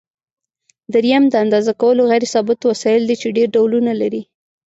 دریم د اندازه کولو غیر ثابت وسایل دي چې ډېر ډولونه لري.